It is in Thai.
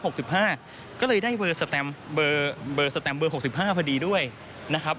หกสิบห้าก็เลยได้เบอร์แสตม์เบอร์แสตม์เบอร์หกสิบห้าพอดีด้วยนะครับ